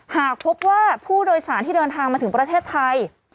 หากพบว่าผู้โดยสารที่เดินทางมาถึงประเทศไทย